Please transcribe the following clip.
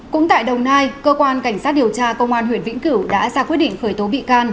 cũng tại đồng nai cơ quan cảnh sát điều tra công an huyện vĩnh cửu đã ra quyết định khởi tố bị can